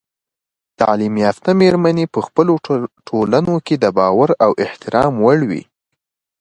تعلیم یافته میرمنې په خپلو ټولنو کې د باور او احترام وړ وي.